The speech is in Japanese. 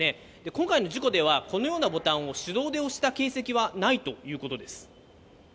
今回の事故では、このようなボタンを手動で押した形跡はないということです。